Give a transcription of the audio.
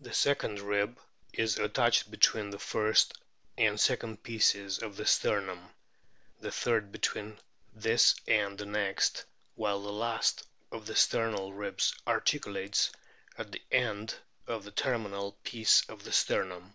The second rib is attached between o the first and second pieces of the sternum, the third between this and the next, while the last of the sternal ribs articulates at the end of the terminal piece of the sternum.